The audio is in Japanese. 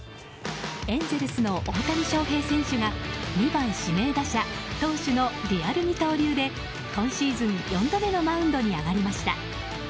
エンゼルスの大谷翔平選手が２番指名打者、投手のリアル二刀流で今シーズン４度目のマウンドに上がりました。